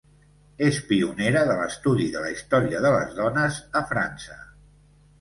És pionera de l'estudi de la història de les dones a França.